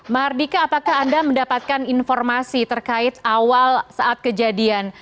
mardika apakah anda mendapatkan informasi terkait awal saat kejadian